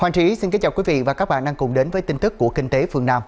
hoàng trí xin kính chào quý vị và các bạn đang cùng đến với tin tức của kinh tế